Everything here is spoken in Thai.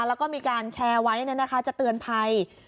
แล้วก็มีการแชร์ไว้จะเตือนภัย